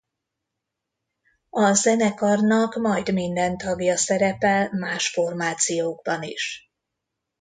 A zenekarnak majd minden tagja szerepel más formációkban is.